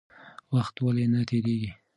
وخت ولې نه تېرېږي؟